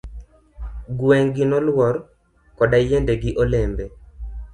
Gweng' gi noluor koda yiende gi olembe.